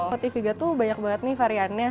petiviga tuh banyak banget nih variannya